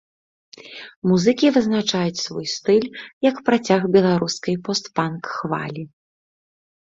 Музыкі вызначаюць свой стыль як працяг беларускай пост-панк-хвалі.